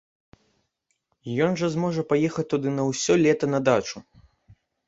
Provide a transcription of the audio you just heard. Ён жа зможа паехаць туды на ўсё лета, на дачу!